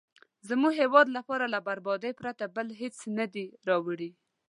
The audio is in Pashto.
زموږ هیواد لپاره له بربادۍ پرته بل هېڅ نه دي راوړي.